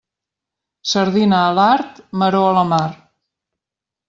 Sardina a l'art, maror a la mar.